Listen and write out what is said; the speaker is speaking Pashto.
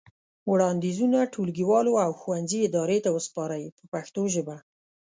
وړاندیزونه ټولګیوالو او ښوونځي ادارې ته وسپارئ په پښتو ژبه.